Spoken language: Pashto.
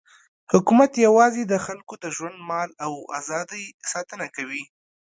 حکومت یوازې د خلکو د ژوند، مال او ازادۍ ساتنه کوي.